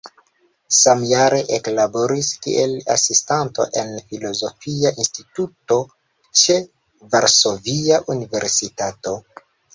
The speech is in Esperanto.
Samjare eklaboris kiel asistanto en Filozofia Instituto ĉe Varsovia Universitato.